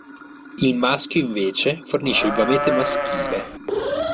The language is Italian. Il maschio invece fornisce il gamete maschile.